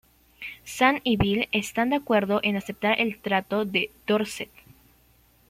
Sam y Bill están de acuerdo en aceptar el trato de Dorset.